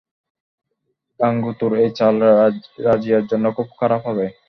গাঙু তোর এই চাল রাজিয়ার জন্য খুব খারাপ হবে।